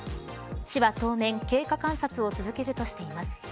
市は当面経過観察を続けるとしています。